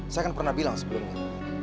saya kan pernah bilang sebelumnya